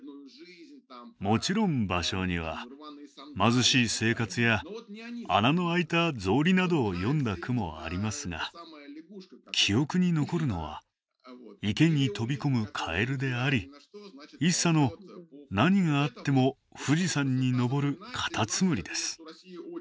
もちろん芭蕉には貧しい生活や穴の開いた草履などを詠んだ句もありますが記憶に残るのは池に飛び込むカエルであり一茶の何があっても富士山に登るカタツムリです。